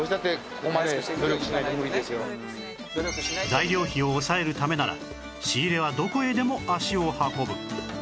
材料費を抑えるためなら仕入れはどこへでも足を運ぶ